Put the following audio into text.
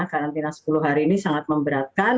karantina sepuluh hari ini sangat memberatkan